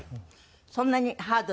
そんなにハードですか？